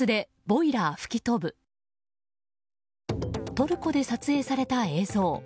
トルコで撮影された映像。